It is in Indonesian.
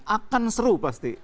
akan seru pasti